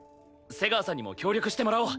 瀬川さんにも協力してもらおう。